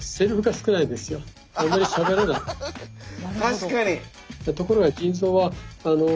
確かに。